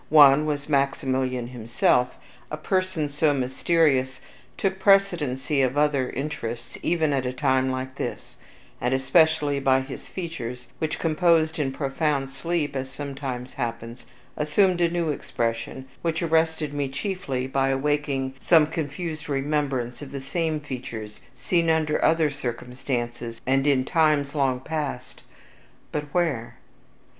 One was Maximilian himself. A person so mysterious took precedency of other interests even at a time like this; and especially by his features, which, composed in profound sleep, as sometimes happens, assumed a new expression, which arrested me chiefly by awaking some confused remembrance of the same features seen under other circumstances and in times long past; but where?